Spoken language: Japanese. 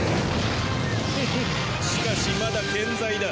フフッしかしまだ健在だ。